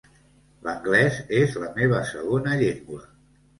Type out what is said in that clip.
L'anglès és la meva segona llengua.